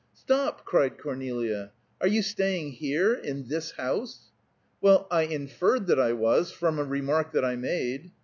"Stop!" cried Cornelia. "Are you staying here in this house?" "Well, I inferred that I was, from a remark that I made."